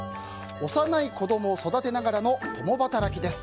幼い子供を育てながらの共働きです。